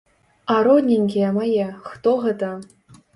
А родненькія мае, хто гэта?